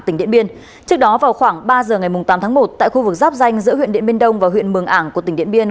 trước đó vào khoảng ba h ngày tám tháng một tại khu vực giáp danh giữa huyện điện biên đông và huyện mường ảng của tỉnh điện biên